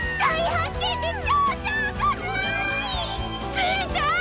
じいちゃん！